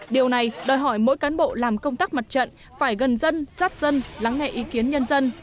điều này đòi hỏi mỗi cán bộ làm công tác mặt trận phải gần dân giác dân lắng nghe ý kiến nhân dân